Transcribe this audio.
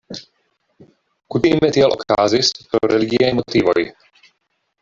Kutime tiel okazis pro religiaj motivoj.